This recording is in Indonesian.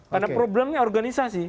karena problemnya organisasi